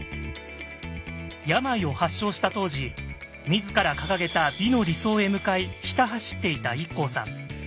病を発症した当時自ら掲げた美の理想へ向かいひた走っていたＩＫＫＯさん。